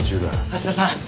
芦田さん！